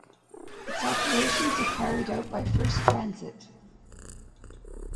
Its operations are carried out by First Transit.